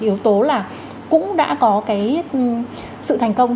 yếu tố là cũng đã có cái sự thành công